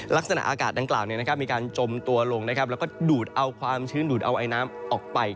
ลักษณะอากาศมีการจมตัวลงและดูดเอาความชื้นดูดเอา้ยน้ำออกไป